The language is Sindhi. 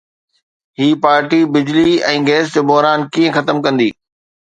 هي پارٽي بجلي ۽ گيس جو بحران ڪيئن ختم ڪندي؟